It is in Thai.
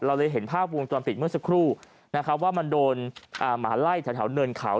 เราเลยเห็นภาพภูมิต้นปิดเมื่อสักครู่ว่ามันโดนหมาไล่จากแถวเนินเขา